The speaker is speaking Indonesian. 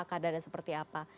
kadarnya seperti apa